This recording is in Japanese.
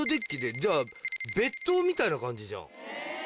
じゃあ別棟みたいな感じじゃん。